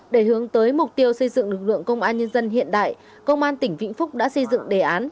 để hướng tới mục tiêu xây dựng lực lượng công an nhân dân hiện đại công an tỉnh vĩnh phúc đã xây dựng đề án